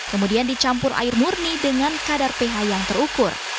kemudian dicampur air murni dengan kadar ph yang terukur